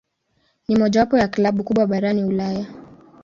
Ni mojawapo ya klabu kubwa barani Ulaya.